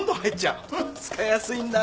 うん使いやすいんだ。